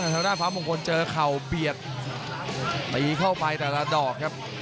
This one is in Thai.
ทางด้านฟ้ามงคลเจอเข่าเบียดตีเข้าไปแต่ละดอกครับ